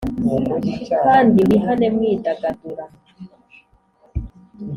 kandi wihane mwidagadura